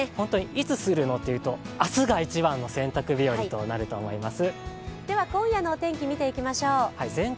いつするの？というと明日が一番の洗濯日和となると思います。